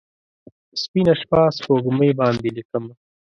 سپینه شپه، سپوږمۍ باندې لیکمه